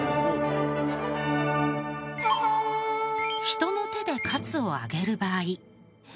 人の手でカツを揚げる場合。